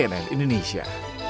tim liputan cnn indonesia